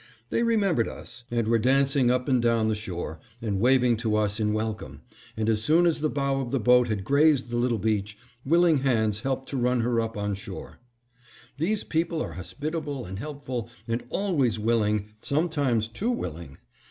They remembered us and were dancing up and down the shore, and waving to us in welcome, and as soon as the bow of the boat had grazed the little beach, willing hands helped to run her up on shore. These people are hospitable and helpful, and always willing, sometimes too willing.